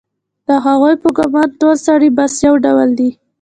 د هغې په ګومان ټول سړي بس یو ډول دي